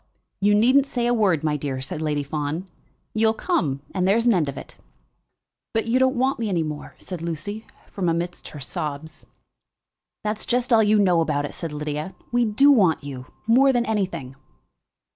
"You needn't say a word, my dear," said Lady Fawn. "You'll come, and there's an end of it." "But you don't want me any more," said Lucy, from amidst her sobs. "That's just all that you know about it," said Lydia. "We do want you, more than anything."